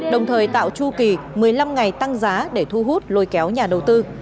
đồng thời tạo chu kỳ một mươi năm ngày tăng giá để thu hút lôi kéo nhà đầu tư